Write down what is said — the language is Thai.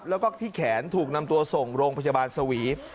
แล้วก็ที่แขนถูกนำตัวส่งโรงพยาบาลสวี